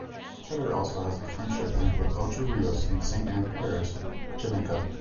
Cheddar also has a friendship link with Ocho Rios in Saint Ann Parish, Jamaica.